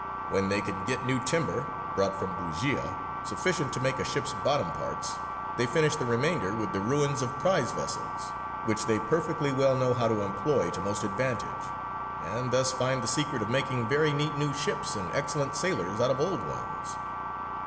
When they can get new timber (brought from Bujēya) sufficient to make a ship's bottom parts, they finish the remainder with the ruins of prize vessels, which they perfectly well know how to employ to most advantage, and thus find the secret of making very neat new ships and excellent sailers out of old ones."